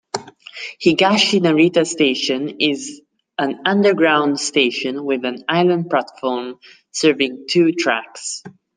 Higashi-Narita Station is an underground station with an island platform serving two tracks.